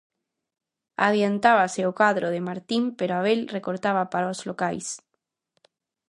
Adiantábase o cadro de Martín pero Abel recortaba para os locais.